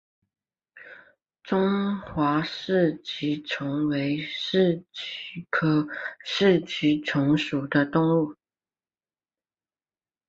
中华四极虫为四极科四极虫属的动物。